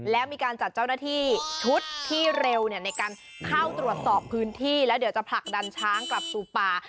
แล้วมีการจัดเจ้าหน้าที่ชุดที่เร็วในการเข้าตรวจสอบพื้นที่แล้วเดี๋ยวจะผลักดันช้างกลับสู่ป่า